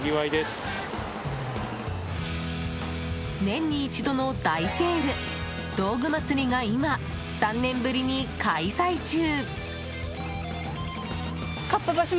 年に一度の大セール道具まつりが今、３年ぶりに開催中。